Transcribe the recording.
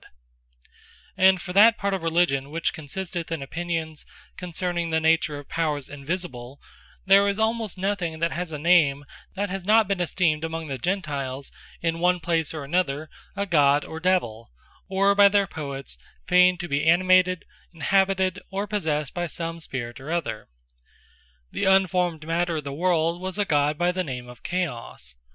The Absurd Opinion Of Gentilisme And for that part of Religion, which consisteth in opinions concerning the nature of Powers Invisible, there is almost nothing that has a name, that has not been esteemed amongst the Gentiles, in one place or another, a God, or Divell; or by their Poets feigned to be inanimated, inhabited, or possessed by some Spirit or other. The unformed matter of the World, was a God, by the name of Chaos.